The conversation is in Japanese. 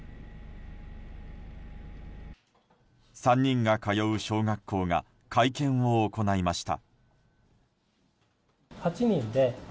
３人が通う小学校が会見を行いました。